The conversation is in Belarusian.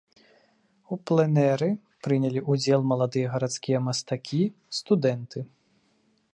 У пленэры прынялі ўдзел маладыя гарадзенскія мастакі, студэнты.